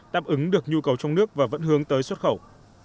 đáp ứng được nhu cầu trong nước và vẫn hướng tới xuất khẩu